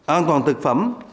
an toàn thực phẩm